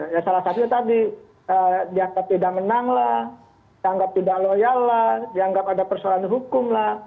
ya salah satunya tadi dia ketidakmenang lah dianggap tidak loyala dianggap ada persoalan hukum lah